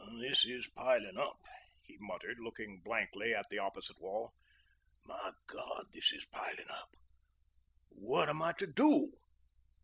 "This is piling up," he muttered, looking blankly at the opposite wall. "My God, this is piling up. What am I to do?"